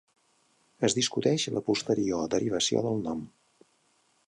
Es discuteix la posterior derivació del nom.